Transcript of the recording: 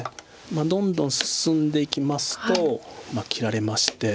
どんどん進んでいきますと切られまして。